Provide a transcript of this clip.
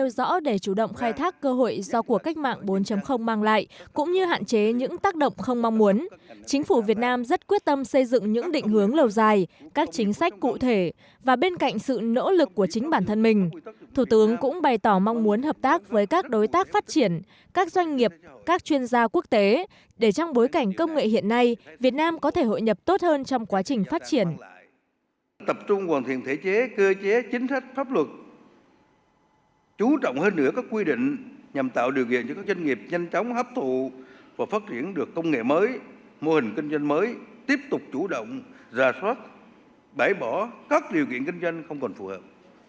tập trung hoàn thiện thể chế cơ chế chính sách pháp luật chú trọng hơn nữa các quy định nhằm tạo điều kiện cho các doanh nghiệp nhanh chóng hấp thụ và phát triển được công nghệ mới mô hình kinh doanh mới tiếp tục chủ động rà soát bãi bỏ các điều kiện kinh doanh không còn phù hợp